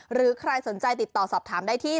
หรือใครสนใจติดต่อสอบถามได้ที่